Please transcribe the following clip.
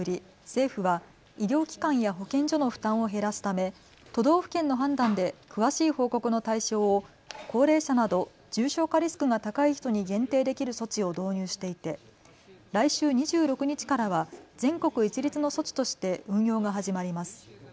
政府は医療機関や保健所の負担を減らすため都道府県の判断で詳しい報告の対象を高齢者など重症化リスクが高い人に限定できる措置を導入していて来週２６日からは全国一律の措置として運用が始まります。